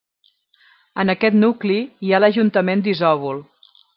En aquest nucli hi ha l'ajuntament d'Isòvol.